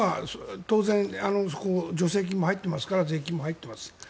当然助成金も入ってますから税金も入っています。